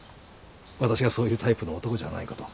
私がそういうタイプの男じゃないこと。